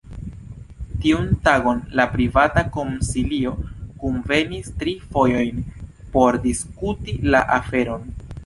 Tiun tagon la Privata Konsilio kunvenis tri fojojn por diskuti la aferon.